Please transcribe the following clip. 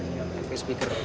iya pake speaker